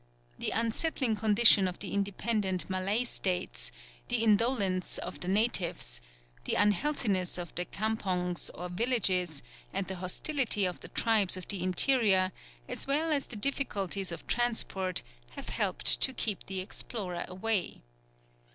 The unsettled condition of the Independent Malay States, the indolence of the natives, the unhealthiness of the kampongs or villages, and the hostility of the tribes of the interior as well as the difficulties of transport have helped to keep the explorer away.